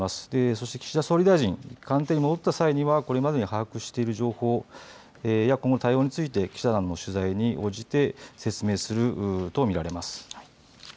そして岸田総理大臣、官邸に戻った際にはこれまでに把握している情報、そして今後について記者団に説明するものと見られます。